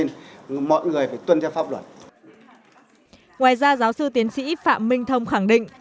ngoài ra giáo sư tiến sĩ phạm minh thông khẳng định